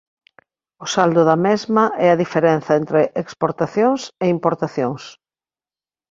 O saldo da mesma é a diferenza entre exportacións e importacións.